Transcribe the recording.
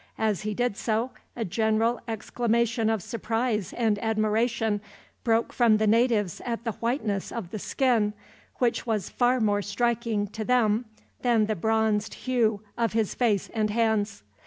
As he did so, a general exclamation of surprise and admiration broke from the natives at the whiteness of the skin; which was far more striking, to them, than the bronzed hue of his face and hands.